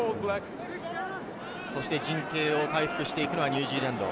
陣形を回復していくのはニュージーランド。